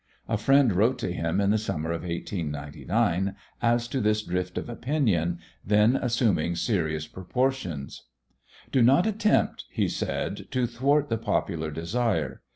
A friend wrote to him in the summer of 1899 as to this drift of opinion, then assuming serious proportions. "Do not attempt," he said, "to thwart the popular desire.